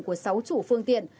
của sáu chủ phương tiện